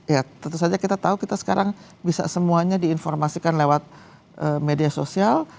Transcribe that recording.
ya tentu saja kita tahu kita sekarang bisa semuanya diinformasikan lewat media sosial